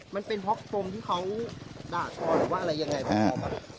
มันเป็นเพราะปมที่เขาด่าทอหรือว่าอะไรยังไงพอไหม